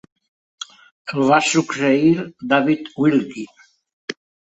El va succeir David Wilkie.